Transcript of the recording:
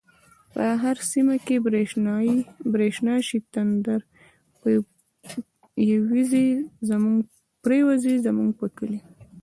په هر سيمه چی بريښنا شی، تندر پر يوزی زموږ په کلی